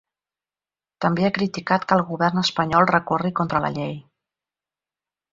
També ha criticat que el govern espanyol recorri contra la llei.